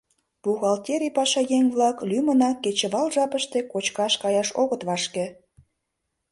Бухгалтерий пашаеҥ-влак лӱмынак кечывал жапыште кочкаш каяш огыт вашке.